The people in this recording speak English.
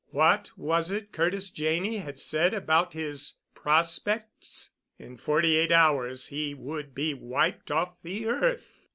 What was it Curtis Janney had said about his prospects? In forty eight hours he would be wiped off the earth.